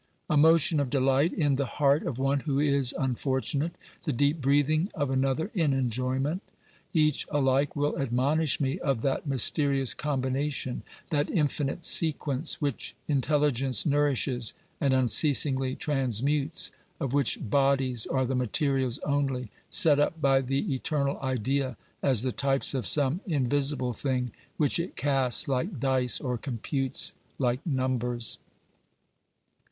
A motion of delight in the heart of one who is unfortunate, the deep breathing of another in enjoyment, each alike will admonish me of that mysterious combination, that infinite sequence, which intelli gence nourishes and unceasingly transmutes, of which bodies are the materials only, set up by the eternal idea as the types of some invisible thing which it casts like dice or computes like numbers.